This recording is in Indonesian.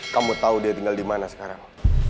kamu tahu dia tinggal di mana sekarang